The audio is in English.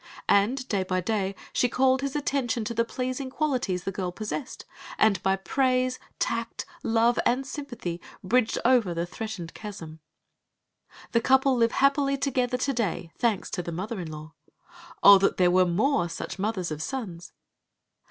And day by day she called his attention to the pleasing qualities the girl possessed, and by praise, tact, love, and sympathy bridged over the threatened chasm. The couple live happily together to day, thanks to the mother in law. Oh, that there were more such mothers of sons!